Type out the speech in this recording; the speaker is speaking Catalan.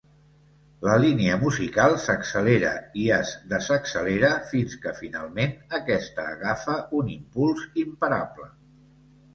La línia musical s'accelera i es desaccelera fins que finalment aquesta agafa un impuls imparable.